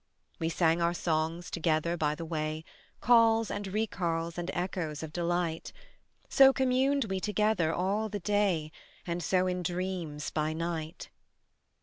We sang our songs together by the way, Calls and recalls and echoes of delight; So communed we together all the day, And so in dreams by night.